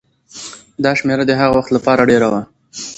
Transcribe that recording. دا شمېره د هغه وخت لپاره ډېره وه.